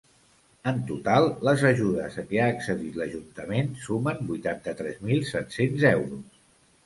En total, les ajudes a què ha accedit l’ajuntament sumen vuitanta-tres mil set-cents euros.